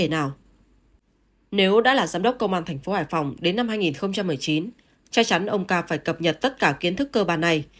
nếu đã là giám đốc công an thành phố hải phòng đến năm hai nghìn một mươi chín chắc chắn ông ca phải cập nhật tất cả kiến thức cơ bản này